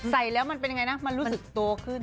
ใส่แล้วมันเป็นยังไงนะมันรู้สึกตัวขึ้น